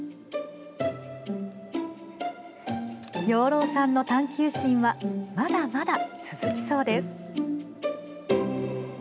養老さんの探究心はまだまだ続きそうです。